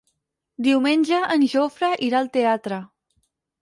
Diumenge en Jofre irà al teatre.